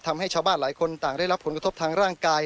ทำให้ชาวบ้านหลายคนต่างได้รับผลกระทบทางร่างกาย